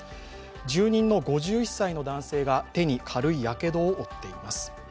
住人の５１歳の男性が、手に軽いやけどを負っています。